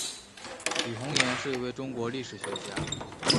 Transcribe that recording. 李洪岩是一位中国历史学家。